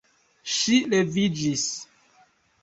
Ŝi leviĝis.